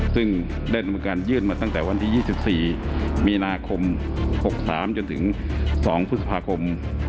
ซึ่งได้ดำเนินการยื่นมาตั้งแต่วันที่๒๔มีนาคม๖๓จนถึง๒พฤษภาคม